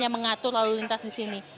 yang mengatur lalu lintas di sini